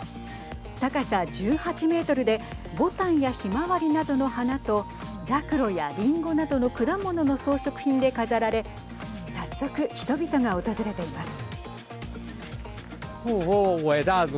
高さ１８メートルで、ぼたんやひまわりなどの花とざくろやりんごなどの果物の装飾品で飾られ早速、人々が訪れています。